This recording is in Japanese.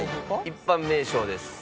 一般名称です。